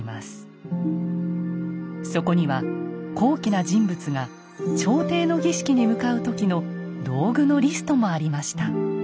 そこには高貴な人物が朝廷の儀式に向かう時の道具のリストもありました。